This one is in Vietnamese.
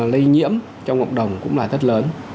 lây nhiễm trong cộng đồng cũng là rất lớn